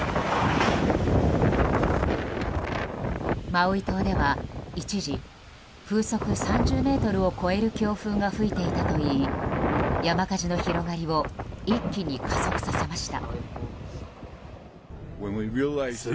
マウイ島では一時風速３０メートルを超える強風が吹いていたといい山火事の広がりを一気に加速させました。